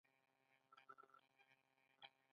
آیا نوروز په ډیرو هیوادونو کې نه لمانځل کیږي؟